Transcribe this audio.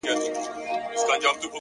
او خپل څادر يې تر خپل څنگ هوار کړ”